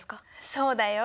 そうだよ。